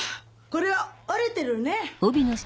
これは折れてるね。